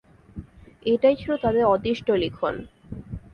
এটাই ছিল তাদের অদৃষ্ট লিখন।